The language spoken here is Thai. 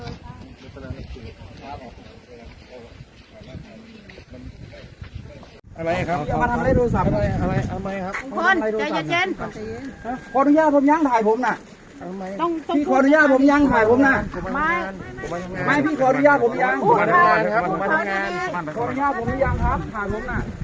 ผมไม่ได้ทำร้ายร่างกายผมนะ